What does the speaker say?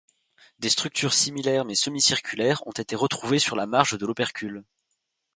Des structures similaires mais semi-circulaires ont été retrouvées sur la marge de l'opercule.